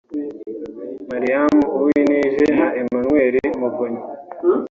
Miriam Uwintije na Emmanuel Muvunyi